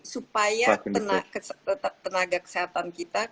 supaya tenaga kesehatan kita